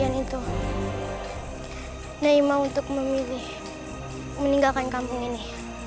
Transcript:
neima untuk memilih meninggalkan kampung ini